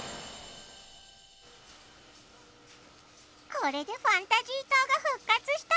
これでファンタジー島が復活したぽよ。